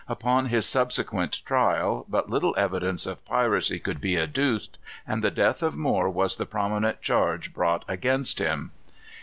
Upon his subsequent trial, but little evidence of piracy could be adduced, and the death of Moore was the prominent charge brought against him.